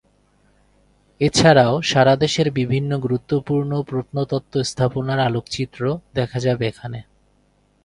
এছাড়াও সারা দেশের বিভিন্ন গুরুত্বপূর্ণ প্রত্নতত্ত্ব স্থাপনার আলোকচিত্র দেখা যাবে এখানে।